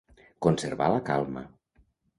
Conservar la calma.